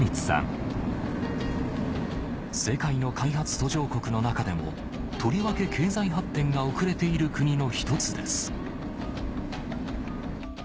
世界の開発途上国の中でもとりわけ経済発展が遅れている国の一つです